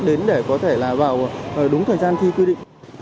đến để có thể là vào đúng thời gian thi quy định